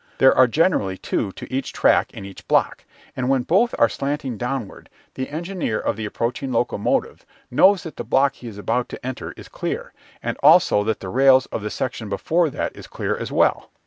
There are generally two to each track in each block, and when both are slanting downward the engineer of the approaching locomotive knows that the block he is about to enter is clear and also that the rails of the section before that is clear as well.